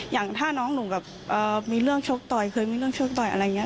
อย่างถ้าน้องหนูแบบมีเรื่องชกต่อยเคยมีเรื่องชกต่อยอะไรอย่างนี้